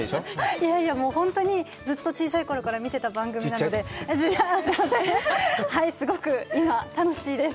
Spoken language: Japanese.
いやいや、本当にずっと小さいころから見てた番組なので、すごく今、楽しいです。